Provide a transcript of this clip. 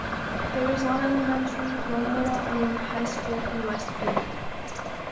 There is one elementary, one middle, and one high school in Westfield.